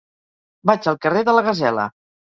Vaig al carrer de la Gasela.